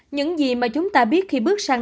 những gì mà chúng ta biết khi bước sang